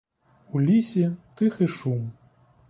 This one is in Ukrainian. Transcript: У лісі тихий шум.